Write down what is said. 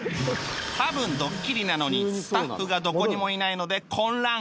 多分ドッキリなのにスタッフがどこにもいないので混乱